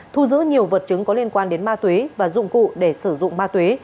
thu giữ nhiều vật chứng có liên quan đến ma túy và dụng cụ để sử dụng ma túy